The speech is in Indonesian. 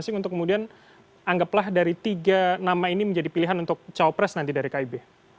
keunggulan mereka masing masing untuk kemudian anggaplah dari tiga nama ini menjadi pilihan untuk jawab pres nanti dari kib